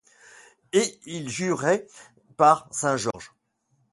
Et il jurait par Saint-Georges.